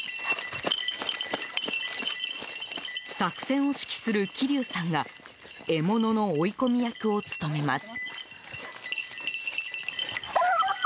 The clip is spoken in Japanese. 作戦を指揮する桐生さんが獲物の追い込み役を務めます。